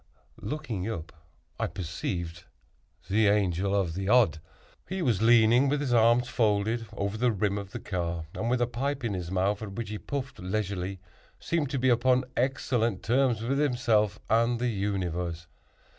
Looking up, I perceived the Angel of the Odd. He was leaning with his arms folded, over the rim of the car; and with a pipe in his mouth, at which he puffed leisurely, seemed to be upon excellent terms with himself and the universe.